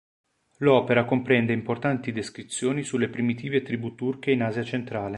L'opera comprende importanti descrizioni sulle primitive tribù turche in Asia centrale.